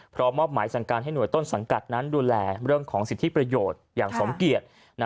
มอบหมายสั่งการให้หน่วยต้นสังกัดนั้นดูแลเรื่องของสิทธิประโยชน์อย่างสมเกียจ